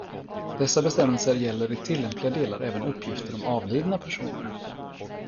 Dessa bestämmelser gäller i tillämpliga delar även uppgifter om avlidna personer.